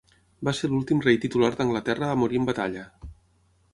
Va ser l'últim rei titular d'Anglaterra a morir en batalla.